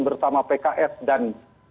bersama pks dan